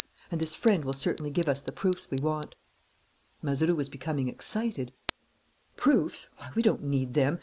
And this friend will certainly give us the proofs we want." Mazeroux was becoming excited. "Proofs? Why, we don't need them!